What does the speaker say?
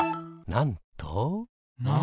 なんと？